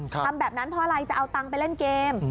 ทำแบบนั้นเพราะอะไรจะเอาตังค์ไปเล่นเกม